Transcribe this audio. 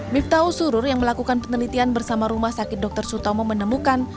miftahul surur yang melakukan penelitian bersama rumah sakit dr sutomo menemukan